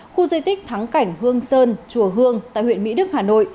khu di tích thắng cảnh hương sơn chùa hương tại huyện mỹ đức hà nội